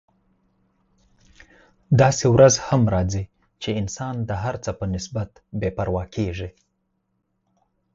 داسې ورځ هم راځي چې انسان د هر څه په نسبت بې پروا کیږي.